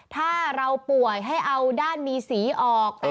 ถ้าเราป่วยให้เอาด้านมีสีออก